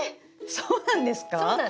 そうなんです。